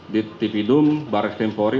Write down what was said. di tv dum baris tni polri